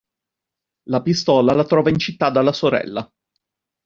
La pistola la trova in città dalla sorella.